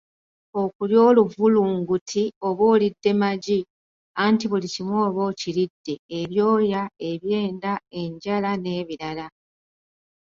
Okulya oluvulunguti oba olidde magi anti buli kimu oba okiridde ebyoya, ebyenda, enjala n'ebirala